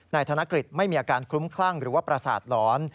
ธนกฤษไม่มีอาการคลุ้มคลั่งหรือว่าประสาทหลอน